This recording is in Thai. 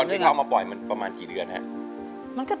ที่เราเอามาปล่อยมันประมาณกี่เดือนครับ